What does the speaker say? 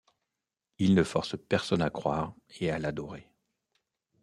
Il ne force personne à croire et à l'adorer.